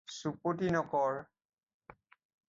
চুপতি নকৰ